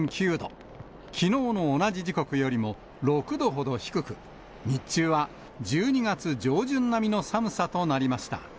きのうの同じ時刻よりも６度ほど低く、日中は１２月上旬並みの寒さとなりました。